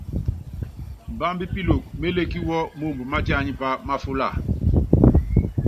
Imbámb Piloko mélékí wɔ́ moomb mátíánípá máfúla.